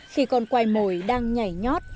khi con quay mồi đang nhảy nhót